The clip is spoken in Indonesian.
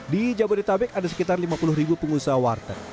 di jabodetabek ada sekitar lima puluh ribu pengusaha warteg